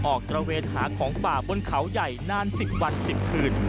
ตระเวนหาของป่าบนเขาใหญ่นาน๑๐วัน๑๐คืน